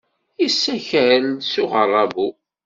Yessakel s uɣerrabu.